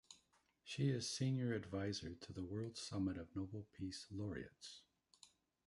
She is senior advisor to the World Summit of Nobel Peace Laureates.